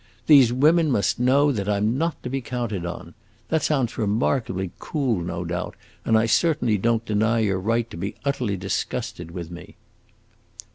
These women must know that I 'm not to be counted on. That sounds remarkably cool, no doubt, and I certainly don't deny your right to be utterly disgusted with me."